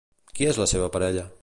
Qui és la seva parella?